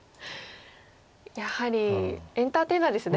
やはりエンターテイナーですね